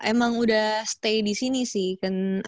emang udah stay disini sih